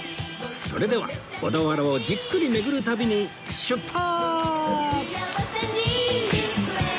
それでは小田原をじっくり巡る旅に出発！